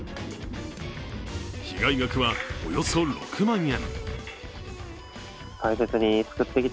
被害額はおよそ６万円。